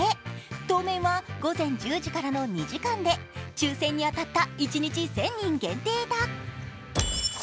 当面は午前１０時からの２時間で抽選に当たった１日１０００人限定だ。